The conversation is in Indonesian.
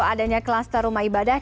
adanya kluster rumah ibadah